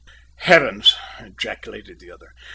"Heavens!" ejaculated the other.